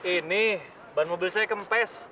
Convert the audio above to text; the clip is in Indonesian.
ini ban mobil saya kempes